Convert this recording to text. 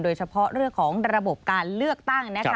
โดยเฉพาะเรื่องของระบบการเลือกตั้งนะคะ